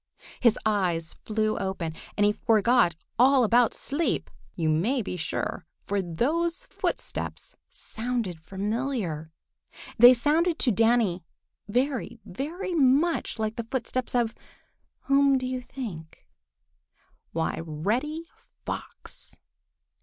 His eyes flew open, and he forgot all about sleep, you may be sure, for those footsteps sounded familiar. They sounded to Danny very, very much like the footsteps of—whom do you think? Why, Reddy Fox!